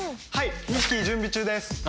はい２匹準備中です。